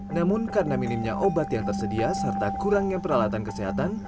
namun karena minimnya obat yang tersedia serta kurangnya peralatan kesehatan